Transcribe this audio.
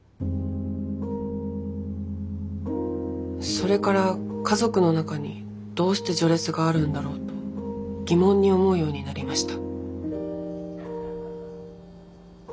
それから家族の中にどうして序列があるんだろうと疑問に思うようになりました。